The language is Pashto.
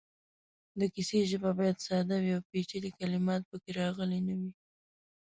د کیسې ژبه باید ساده وي او پېچلې کلمات پکې راغلې نه وي.